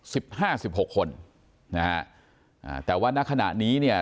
สิบห้าสิบหกคนนะฮะอ่าแต่ว่าณขณะนี้เนี่ย